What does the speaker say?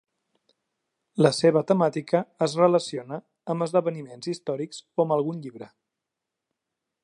La seva temàtica es relaciona amb esdeveniments històrics o amb algun llibre.